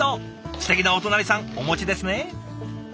すてきなお隣さんお持ちですね。